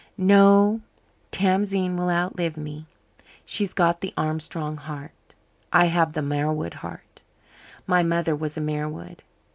"No, Tamzine will outlive me. She's got the Armstrong heart. I have the Marwood heart my mother was a Marwood.